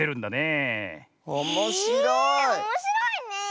えおもしろいねえ！